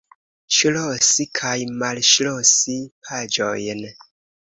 Ŝlosi kaj malŝlosi paĝojn.